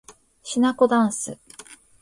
しなこだんす